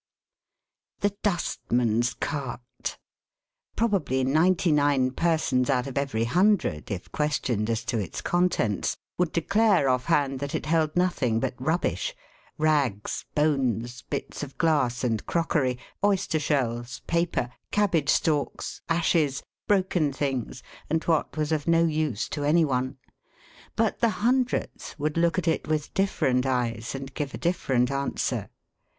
THE dustman's cart ! Probably ninety nine persons out of every hundred, if questioned as to its contents, would declare off hand that it held nothing but rubbish rags, bones, bits of glass and crockery, oyster shells, paper, cabbage stalks, ashes, broken things, and what was of no use to any one. But the hundredth would look at it with different eyes, and give a different answer.